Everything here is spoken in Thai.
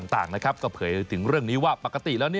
ถูกถึงเรื่องนี้ว่าปกติแล้ว